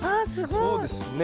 そうですね。